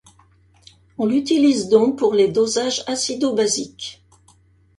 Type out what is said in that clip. On l'utilise donc pour les dosages acido-basiques.